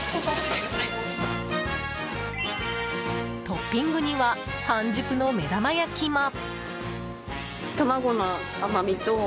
トッピングには半熟の目玉焼きも。